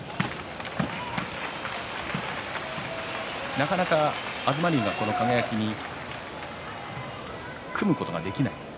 なかなか東龍が輝に組むことができなくて。